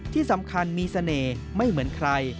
ที่สำคัญมีเสน่ห์ไม่เหมือนใคร